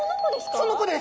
その子です。